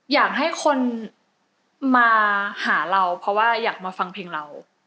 อยากให้คนมาหาเราเพราะว่าอยากมาฟังเพลงเรา